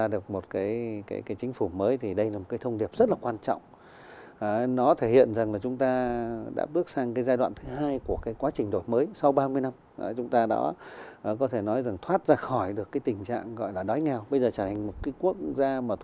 điều thể hiện sự chủ động